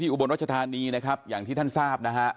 ที่อุบรณรถชะธรณีนะครับอย่างที่ท่านทราบนะฮะ